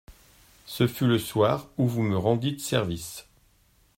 Ce fut le soir où vous me rendîtes service.